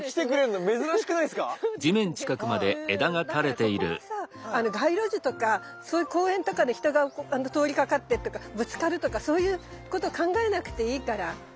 だからここはさ街路樹とか公園とかで人が通りかかってっていうかぶつかるとかそういうこと考えなくていいから。